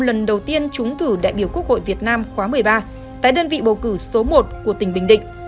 lần đầu tiên trúng cử đại biểu quốc hội việt nam khóa một mươi ba tại đơn vị bầu cử số một của tỉnh bình định